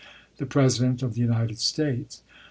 The President of the United States.